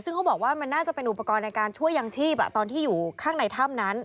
ซึ่งเขาบอกว่ามันน่าจะเป็นอุปกรณ์ในการช่วยยังชีพตอนที่อยู่ข้างในถ้ำนั้น